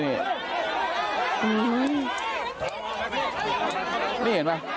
นี่เห็นไหม